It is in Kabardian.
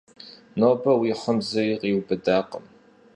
Нобэ уи хъым зыри къиубыдакъым.